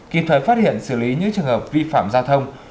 kịp thời phát hiện xử lý những trường hợp vi phạm giao thông